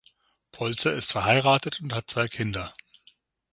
Polzer ist verheiratet und hat zwei Kinder.